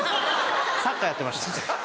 サッカーやってました。